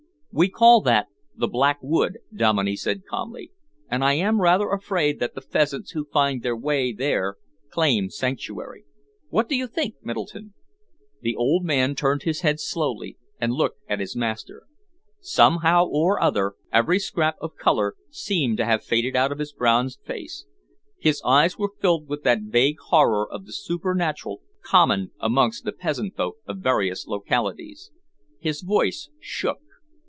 "We call that the Black Wood," Dominey said calmly, "and I am rather afraid that the pheasants who find their way there claim sanctuary. What do you think, Middleton?" The old man turned his head slowly and looked at his master. Somehow or other, every scrap of colour seemed to have faded out of his bronzed face. His eyes were filled with that vague horror of the supernatural common amongst the peasant folk of various localities. His voice shook.